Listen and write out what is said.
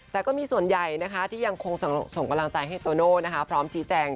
แต่ก็มีส่วนใหญ่ที่ยังคงส่งกำลังใจให้โตโน่พร้อมชี้แจง